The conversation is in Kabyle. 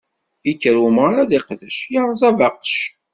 Ikker umɣar ad iqdec, iṛẓa abaqec.